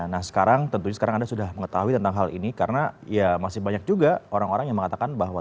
nah sekarang tentunya sekarang anda sudah mengetahui tentang hal ini karena ya masih banyak juga orang orang yang mengatakan bahwa